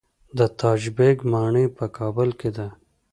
د تاج بیګ ماڼۍ په کابل کې ده